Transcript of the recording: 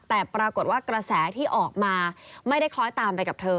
แต่ปรากฏกุลาความเวลาที่กระแสที่มาไม่ได้ค้อยตามไปกับเธอ